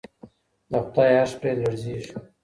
د خدای عرش پرې لړزیږي.